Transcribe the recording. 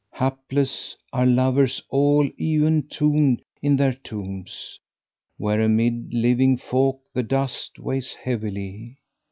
Hapless are lovers all e'en tombed in their tombs, * Where amid living folk the dust weighs heavily!